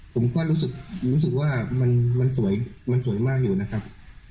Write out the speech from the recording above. ผมก็รู้สึกว่ามันสวยมันสวยมากอยู่นะครับ